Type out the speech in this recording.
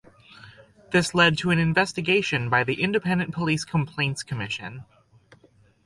This led to an investigation by the Independent Police Complaints Commission.